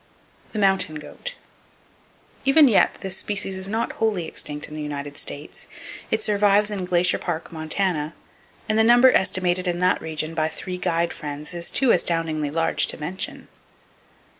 The Mountain Goat. —Even yet, this species is not wholly extinct in the United States. It survives in Glacier Park, Montana, and the number estimated in that region by three guide friends is too astoundingly large to mention.